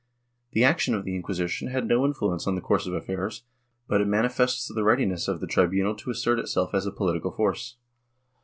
^ The action of the Inquisition had no influence on the course of affairs, but it manifests the readiness of the tribunal to assert itself as a political force.